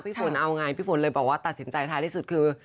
ฝนเอาไงพี่ฝนเลยบอกว่าตัดสินใจท้ายที่สุดคือ